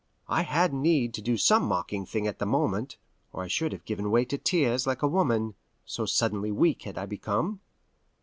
I had need to do some mocking thing at the moment, or I should have given way to tears like a woman, so suddenly weak had I become.